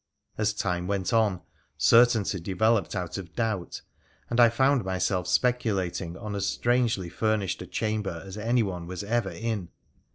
As time went on certainty developed out of doubt, and I found myself speculating on as strangely furnished a chamber as anyone was ever in.